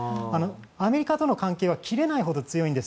アメリカとの関係は切れないほど強いんです。